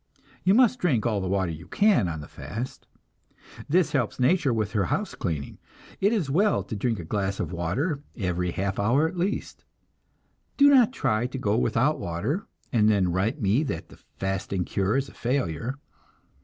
You must drink all the water you can on the fast. This helps nature with her house cleaning; it is well to drink a glass of water every half hour at least. Do not try to go without water, and then write me that the fasting cure is a failure.